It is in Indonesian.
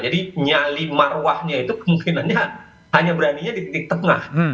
jadi nyali marwahnya itu kemungkinannya hanya beraninya di titik tengah